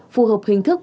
phù hợp hình thức